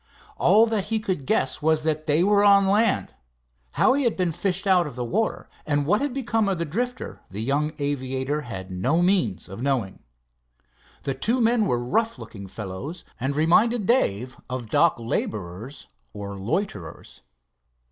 All that he could guess was that they were on land. How he had been fished out of the water, and what had become of the Drifter, the young aviator had no means of knowing. The two men were rough looking fellows and reminded Dave of dock laborers or loiterers.